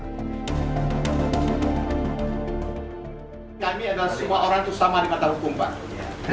kami adalah semua orang itu sama di mata hukuman